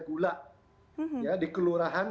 gula di kelurahan